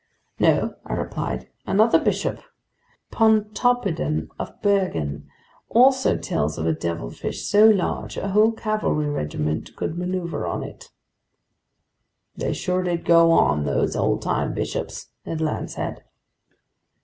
"No," I replied, "another bishop, Pontoppidan of Bergen, also tells of a devilfish so large a whole cavalry regiment could maneuver on it." "They sure did go on, those oldtime bishops!" Ned Land said.